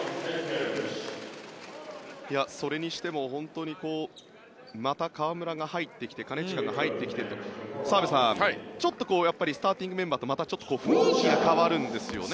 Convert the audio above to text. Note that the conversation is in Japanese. それにしてもまた河村が入ってきて金近が入ってきてと澤部さん、ちょっとスターティングメンバーとまたちょっと雰囲気が変わるんですよね。